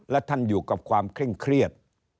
และท่านอยู่กับความเคร่งเครียด